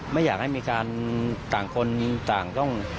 ไม่อยากให้มีการต่างคนต่างต้อง